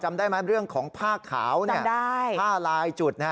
จำได้ไหมเรื่องของผ้าขาวผ้าลายจุด